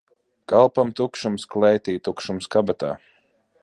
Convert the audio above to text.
Kalpam tukšums klētī, tukšums kabatā.